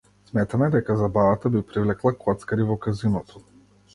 Сметаме дека забавата би привлекла коцкари во казиното.